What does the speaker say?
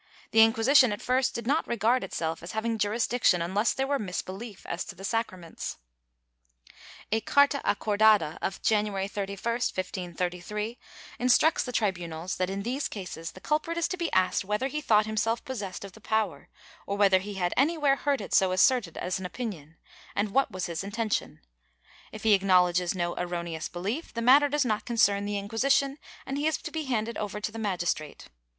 The Inquisition at first did not regard itself as having jurisdiction unless there were misbelief as to the sacraments. A carta acordada of January 31, 1533, instructs the tribunals that, in these cases, the culprit is to be asked whether he thought himself possessed of the power, or whether he had anywhere heard it so asserted as an opinion, and what was his intention ; if he acknowledges no erroneous belief, the matter does not concern the Inciuisition and, he is to be handed over to the magistrate.